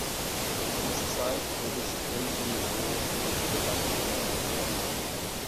Dies zeigt, welches Grimmsche Niveau diese Debatte nun erreicht hat.